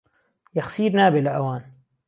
يهخسير نابێ له ئهوان